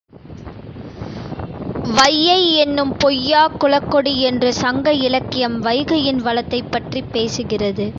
வையை யென்னும் பொய்யாக் குலக்கொடி என்று சங்க இலக்கியம் வைகையின் வளத்தைப் பற்றிப் பேசுகிறது.